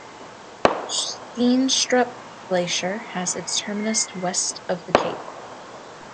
Steenstrup Glacier has its terminus west of the cape.